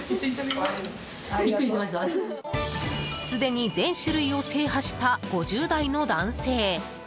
すでに全種類を制覇した５０代の男性。